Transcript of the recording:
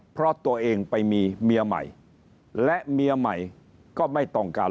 เพราะตัวเองไปมีเมียใหม่และเมียใหม่ก็ไม่ต้องการ